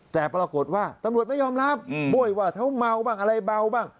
แต่ปรากฏว่าตำรวจไม่ยอมรับบ้วยว่าเขาเมาบ้างอะไรเบาบ้าง